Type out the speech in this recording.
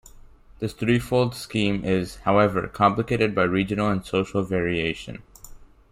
This threefold scheme is, however, complicated by regional and social variation.